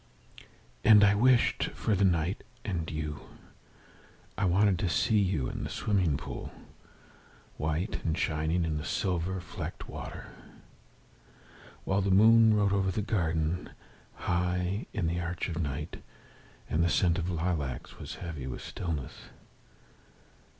And I wished for night and you. I wanted to see you in the swimming pool, White and shining in the silver flecked water. While the moon rode over the garden, High in the arch of night, And the scent of the lilacs was heavy with stillness.